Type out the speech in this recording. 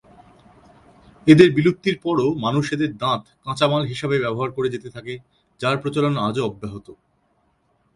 এদের বিলুপ্তির পরও, মানুষ এদের দাঁত কাঁচামাল হিসাবে ব্যবহার করে যেতে থাকে, যার প্রচলন আজও অব্যাহত।